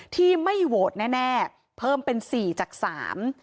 ที่ไม่โหวตแน่แน่เพิ่มเป็นสี่จากสาม